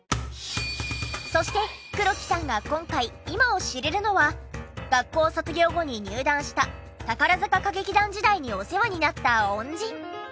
そして黒木さんが今回今を知れるのは学校卒業後に入団した宝塚歌劇団時代にお世話になった恩人。